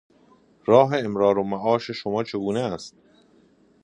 راه امرار و معاش شما چگونه است؟